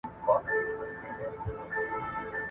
که احساس وي نو درد نه پټیږي.